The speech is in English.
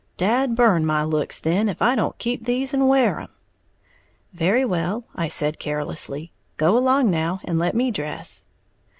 "Dad burn my looks, then, if I don't keep these and wear 'em!" "Very well," I said, carelessly; "go along now and let me dress."